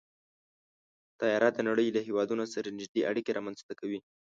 طیاره د نړۍ له هېوادونو سره نږدې اړیکې رامنځته کوي.